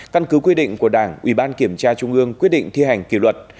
căn cứ quy định của đảng ủy ban kiểm tra trung ương quyết định thi hành kỷ luật